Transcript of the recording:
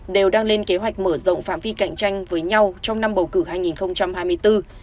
đều đang lên kế hoạch mở rộng phạm vi cạnh tranh với nhau trong năm bầu cử hai nghìn hai mươi bốn